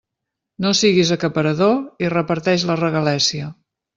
No siguis acaparador i reparteix la regalèssia.